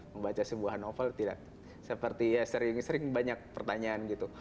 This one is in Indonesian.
membaca sebuah novel tidak seperti ya sering sering banyak pertanyaan gitu